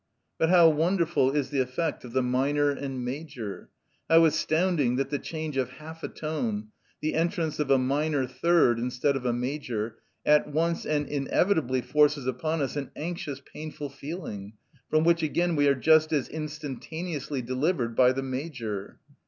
But how wonderful is the effect of the minor and major! How astounding that the change of half a tone, the entrance of a minor third instead of a major, at once and inevitably forces upon us an anxious painful feeling, from which again we are just as instantaneously delivered by the major.